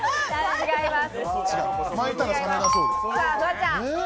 違います。